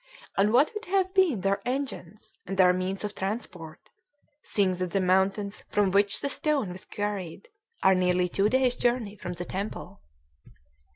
And what could have been their engines and their means of transport, seeing that the mountains from which the stone was quarried are nearly two days' journey from the temple?